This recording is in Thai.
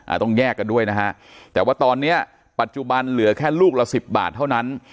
ต้องแยกกันด้วยนะฮะแต่ว่าตอนเนี้ยปัจจุบันเหลือแค่ลูกละสิบบาทเท่านั้น